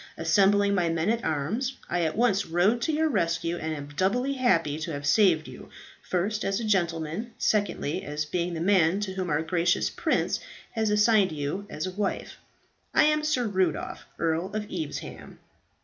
Assembling my men at arms, I at once rode to your rescue, and am doubly happy to have saved you, first, as a gentleman, secondly, as being the man to whom our gracious prince has assigned you as a wife. I am Sir Rudolph, Earl of Evesham."